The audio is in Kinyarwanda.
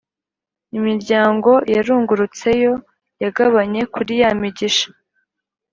imiryango yarungurutseyo yagabanye kuri ya migisha